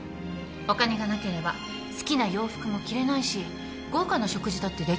お金がなければ好きな洋服も着れないし豪華な食事だってできないんだから。